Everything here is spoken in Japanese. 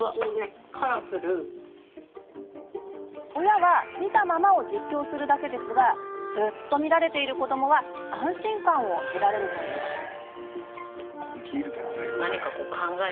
親は、見たままを実況するだけですがずっと見られている子どもは安心感を得られるといいます。